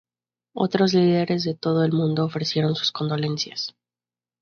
Otros líderes de todo el mundo ofrecieron sus condolencias.